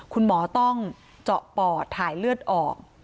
คุณหมอต้องเจาะปอดถ่ายเลือดออก